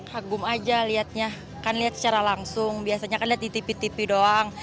kagum aja liatnya kan liat secara langsung biasanya kan liat di tv tv doang